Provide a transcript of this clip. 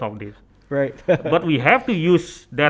tapi kita harus menggunakan